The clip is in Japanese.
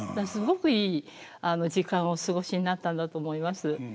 すごくいい時間をお過ごしになったんだと思います。